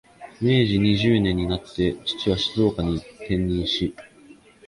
明治二十年になって、父は静岡に転任し、